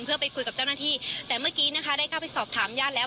เพื่อไปคุยกับเจ้าหน้าที่แต่เมื่อกี้นะคะได้เข้าไปสอบถามญาติแล้ว